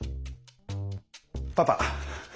パパ！